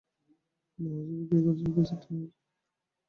আমার মনে হচ্ছে বিক্রি করার মতো পরিস্থিতি তৈরি হয়েছে।